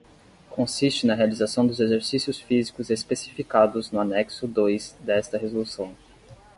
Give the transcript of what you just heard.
Consiste na realização dos exercícios físicos especificados no anexo dois desta Resolução.